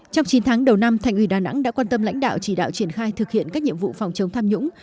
trong chín tháng đầu năm thành ủy đà nẵng đã quan tâm lãnh đạo chỉ đạo triển khai thực hiện các nhiệm vụ phòng chống tham nhũng